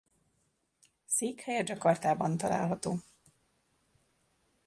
Székhelye Jakartaban található.